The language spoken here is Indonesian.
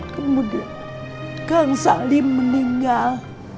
kemudian kang salim meninggal